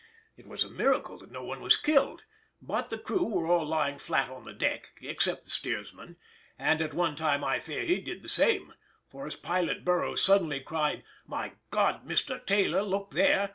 It was a miracle that no one was killed, but the crew were all lying flat on the deck, except the steersman; and at one time I fear he did the same, for as Pilot Burroughs suddenly cried, "My God, Mr. Taylor, look there"!